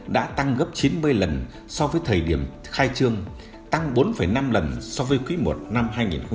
đã tăng gấp chín mươi lần so với thời điểm khai trương tăng bốn năm lần so với quý i năm hai nghìn một mươi tám